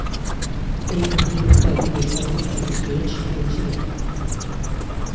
এ প্রতিযোগিতায়ও তিনি সর্বোচ্চ উইকেট শিকারী ছিলেন।